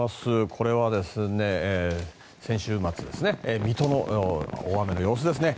これは先週末水戸の大雨の様子ですね。